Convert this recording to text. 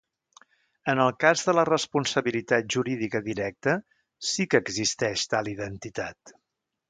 En el cas de la responsabilitat jurídica directa, sí que existeix tal identitat.